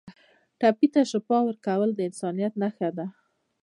ټپي ته شفا ورکول د انسانیت نښه ده.